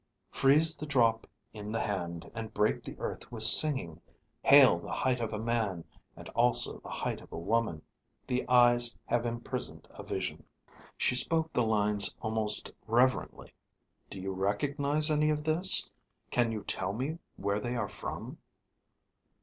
"Freeze the drop in the hand and break the earth with singing. Hail the height of a man and also the height of a woman. The eyes have imprisoned a vision ..." She spoke the lines almost reverently. "Do you recognize any of this? Can you tell me where they are from?"